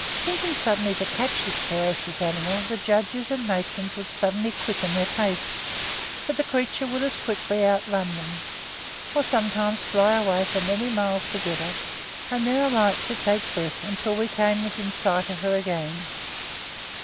Thinking suddenly to catch this ferocious animal, the judges and matrons would suddenly quicken their pace, but the creature would as quickly outrun them, or sometimes fly away for many miles together, and then alight to take breath until we came within sight of her again.